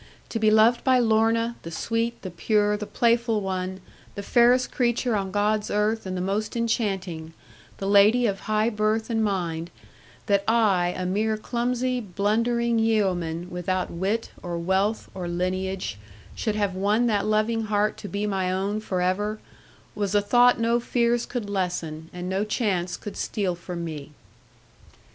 To be loved by Lorna, the sweet, the pure, the playful one, the fairest creature on God's earth and the most enchanting, the lady of high birth and mind; that I, a mere clumsy, blundering yeoman, without wit, or wealth, or lineage, should have won that loving heart to be my own for ever, was a thought no fears could lessen, and no chance could steal from me.